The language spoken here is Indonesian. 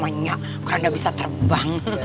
banyak kerendah bisa terbang